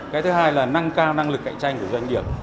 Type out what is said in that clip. cái thứ hai là nâng cao năng lực cạnh tranh của doanh nghiệp